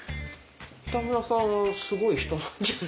北村さんはすごい人なんじゃ。